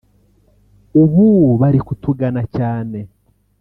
ubu bari kutugana cyane